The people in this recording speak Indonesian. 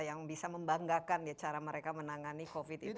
yang bisa membanggakan ya cara mereka menangani covid itu